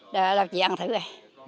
đó là chị ăn thử rồi